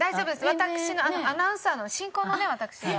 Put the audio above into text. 私のアナウンサーの進行のね私が。